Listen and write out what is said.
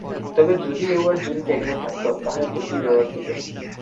তবে যদি অ্যাওয়ার্ড জুরিটি এখানে থাকত, তাহলে তোকেও এডওয়ার্ড দিতো।